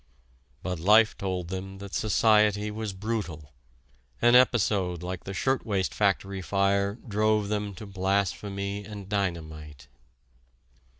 But life told them that society was brutal: an episode like the shirtwaist factory fire drove them to blasphemy and dynamite.